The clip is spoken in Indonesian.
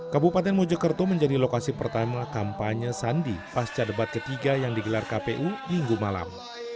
kabupaten mojokerto menjadi lokasi pertama kampanye sandi pasca debat ketiga yang digelar kpu minggu malam